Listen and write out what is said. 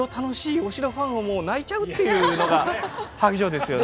お城ファンはもう泣いちゃうっていうのが萩城ですよね。